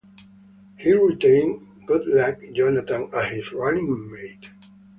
He retained Goodluck Jonathan as his running mate.